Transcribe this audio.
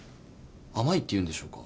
甘いっていうんでしょうか。